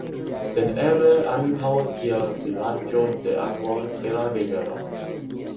Sed eble ankaŭ kiel "Vilaĝo de Akvo de la Rivero".